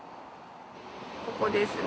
ここですね